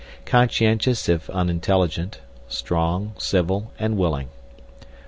Conscientious if unintelligent, strong, civil, and willing.